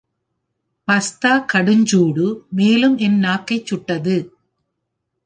Pasta கடுஞ்சூடு, மேலும் என் நாக்கைச் சுட்டது.